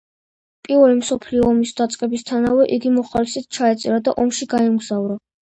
პირველი მსოფლიო ომის დაწყებისთანავე იგი მოხალისედ ჩაეწერა და ომში გაემგზავრა.